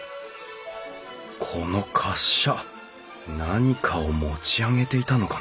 この滑車何かを持ち上げていたのかな？